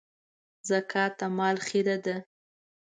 زکات د مال خيره ده.